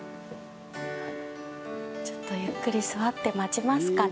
ちょっとゆっくり座って待ちますかね。